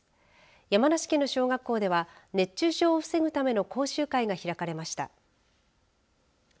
山梨県の小学校では熱中症を防ぐための講習会が開かれました。